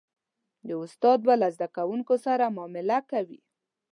یو استاد به له زده کوونکو سره معامله کوي.